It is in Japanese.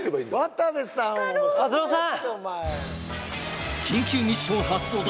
渡部さんを篤郎さん！